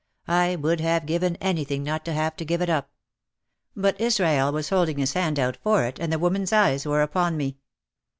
I would have given anything not to have to give it up. But Israel was holding his hand out for it and the woman's eyes were upon me.